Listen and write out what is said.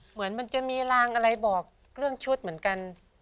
เหมือนมันจะมีรางอะไรบอกเรื่องชุดเหมือนกัน